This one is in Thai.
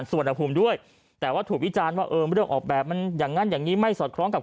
และแถวผู้มีเรื่องจริงมันอย่างงั้นอย่างงี้ไม่สอดคล้องกับ